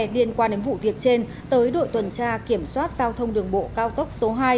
liên quan đến vụ việc trên tới đội tuần tra kiểm soát giao thông đường bộ cao tốc số hai